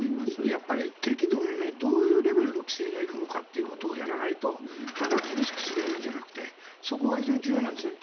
やっぱり適度のどういうレベルの規制がいるのかというのをやらないとただ厳しくすればいいじゃなくてそこが非常に重要なんですね。